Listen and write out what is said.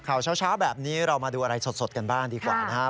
ข่าวเช้าแบบนี้เรามาดูอะไรสดกันบ้างดีกว่านะครับ